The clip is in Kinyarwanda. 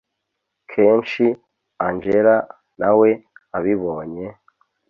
kenshi angella nawe abibonye